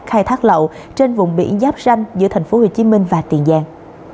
khai thác lậu trên vùng biển giáp ranh giữa thành phố hồ chí minh và tiền giang